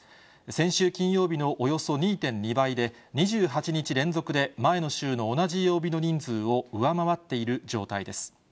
先週金曜日のおよそ２．２倍で、２８日連続で、前の週の同じ曜日の人数を上回っている状態です。